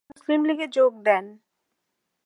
তিনি মুসলিম লীগে যোগ দেন।